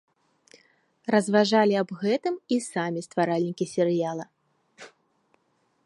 Разважалі аб гэтым і самі стваральнікі серыяла.